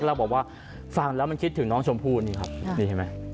เราบอกว่าฟังแล้วมันคิดถึงน้องชมพู่นี่ครับนี่เห็นไหม